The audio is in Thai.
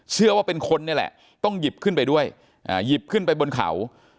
เชื่อว่าเป็นคนนี่แหละต้องหยิบขึ้นไปด้วยหยิบขึ้นไปบนเขา